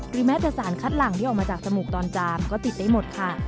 แม้แต่สารคัดหลังที่ออกมาจากจมูกตอนจามก็ติดได้หมดค่ะ